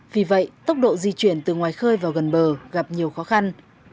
vì vậy tốc độ di chuyển từ ngoài khơi vào gần bờ gặp nhiều khó khăn